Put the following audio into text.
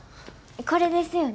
これですよね？